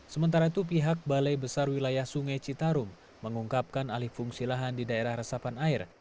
sementara itu pihak balai besar wilayah sungai citarum mengungkapkan alih fungsi lahan di daerah resapan air